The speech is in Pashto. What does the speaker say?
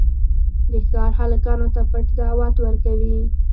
د ښار هلکانو ته پټ دعوت ورکوي.